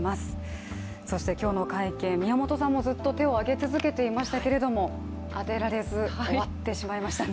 そして今日の会見、宮本さんもずっと手を挙げ続けていましたけれども当てられず、終わってしまいましたね。